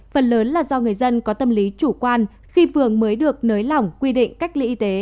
phần lớn là do người dân có tâm lý chủ quan khi phường mới được nới lỏng quy định cách ly y tế